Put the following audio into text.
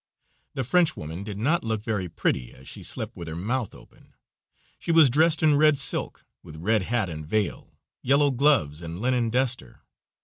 The Frenchwoman did not look very pretty, as she slept with her mouth open. She was dressed in red silk, with red hat and veil, yellow gloves and linen duster.